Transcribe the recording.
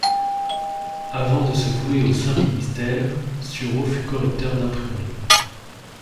Avant de se vouer au saint ministère, Sureau fut correcteur d’imprimerie.